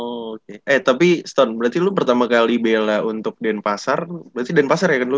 oke eh tapi stone berarti lo pertama kali bela untuk denpasar berarti denpasar ya kan lu